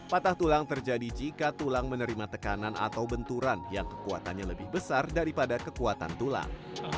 patah tulang terjadi jika tulang menerima tekanan atau benturan yang kekuatannya lebih besar daripada kekuatan tulang